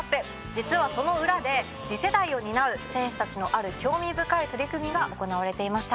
実はその裏で次世代を担う選手たちのある興味深い取り組みが行われていました。